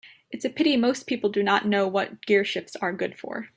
It's a pity most people do not know what gearshifts are good for.